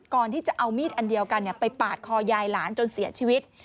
ก่อนที่จะเอามีดอันเดียวกันไปปาดคอยายหลานจนเสียชีวิต